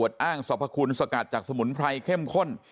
อ้างสรรพคุณสกัดจากสมุนไพรเข้มข้น